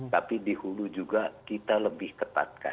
tapi dihulu juga kita lebih ketatkan